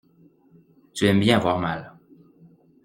Tu aimes bien avoir mal.